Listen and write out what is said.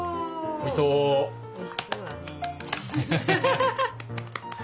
おいしそうだね。